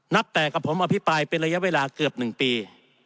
แต่กับผมอภิปรายเป็นระยะเวลาเกือบ๑ปี